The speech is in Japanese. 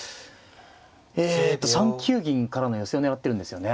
えと３九銀からの寄せを狙ってるんですよね。